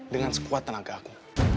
dengan sekuat tenaga aku